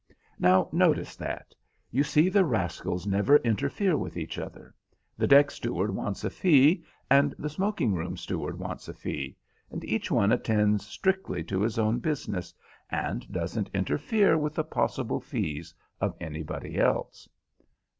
"Now, notice that. You see the rascals never interfere with each other. The deck steward wants a fee, and the smoking room steward wants a fee, and each one attends strictly to his own business, and doesn't interfere with the possible fees of anybody else."